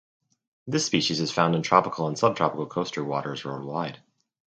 This species is found in tropical and subtropical coastal waters worldwide.